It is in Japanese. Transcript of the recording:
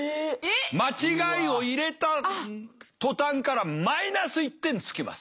間違いを入れた途端からマイナス１点つきます。